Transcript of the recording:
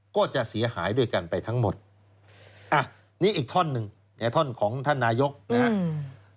ก็จะเสียหายด้วยกันไปทั้งหมดอ่ะนี่อีกท่อนหนึ่งเนี่ยท่อนของท่านนายกนะครับ